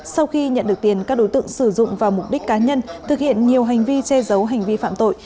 sau khi nhận được tiền các đối tượng sử dụng vào mục đích cá nhân thực hiện nhiều hành vi che giấu hành vi phạm tội